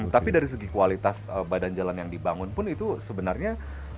tapi dari segi kualitas badan jalan yang dibangun pun itu sebenarnya